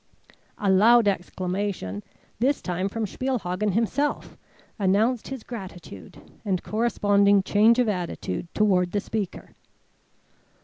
A loud exclamation, this time from Spielhagen himself, announced his gratitude and corresponding change of attitude toward the speaker.